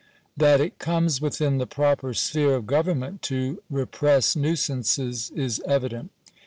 That it comes within the proper sphere of government to I repress nuisances is evident.